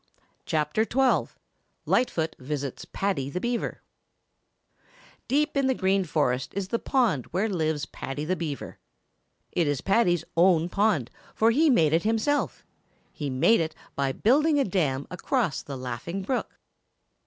CHAPTER XII LIGHTFOOT VISITS PADDY THE BEAVER Deep in the Green Forest is the pond where lives Paddy the Beaver. It is Paddy's own pond, for he made it himself. He made it by building a dam across the Laughing Brook.